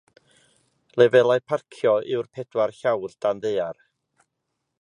Lefelau parcio yw'r pedwar llawr dan ddaear.